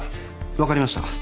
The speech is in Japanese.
分かりました。